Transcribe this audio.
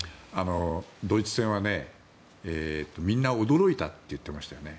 ドイツ戦はみんな驚いたと言ってましたよね。